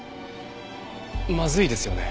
まずいですよね。